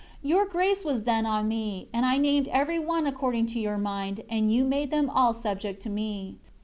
4 Your grace was then on me; and I named every one according to Your mind; and you made them all subject to me.